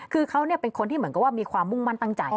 คือเขาเป็นคนที่เหมือนกับว่ามีความมุ่งมั่นตั้งใจ